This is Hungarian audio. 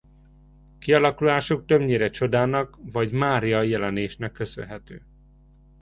Kialakulásuk többnyire csodának vagy Mária-jelenésnek köszönhető.